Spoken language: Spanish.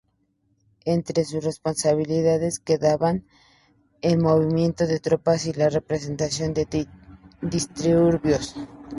Entre sus responsabilidades quedaban el movimiento de tropas y la represión de disturbios.